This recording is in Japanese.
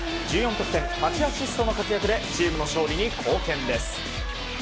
得点８アシストの活躍でチームの勝利に貢献です。